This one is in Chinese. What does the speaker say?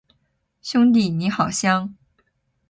兄弟，你好香